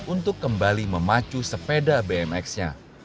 untuk kembali memacu sepeda bmx nya